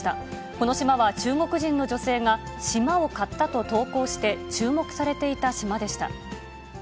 この島は中国人の女性が島を買ったと投稿して注目されていた島でした。